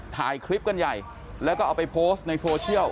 ถ่ายคลิปกันใหญ่แล้วก็เอาไปโพสต์ในโซเชียล